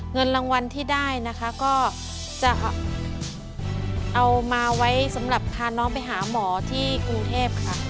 เงินรางวัลที่ได้นะคะก็จะเอามาไว้สำหรับพาน้องไปหาหมอที่กรุงเทพค่ะ